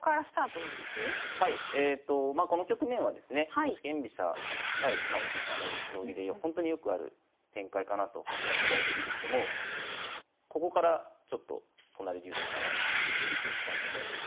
まあこの局面はですね四間飛車対居飛車の将棋でほんとによくある展開かなと思うんですけれどもここからちょっと都成流というかね工夫していきたいと思います。